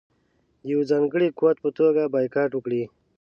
د یوه ځانګړي قوت په توګه بایکاټ وکړي.